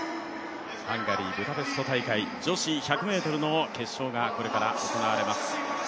ハンガリー・ブダペスト大会、女子１００ｍの決勝がこれから行われます。